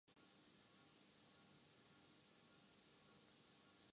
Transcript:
پاکستان سے test series Australian squad سے Maxwell drop